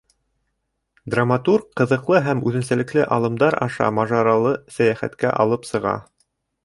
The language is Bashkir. Драматург ҡыҙыҡлы һәм үҙенсәлекле алымдар аша мажаралы сәйәхәткә алып сыға.